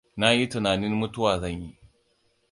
Na yi tunanin mutuwa zan yi.